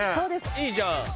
いいじゃん！